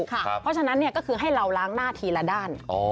เพราะฉะนั้นก็คือให้เราล้างหน้าทีละด้าน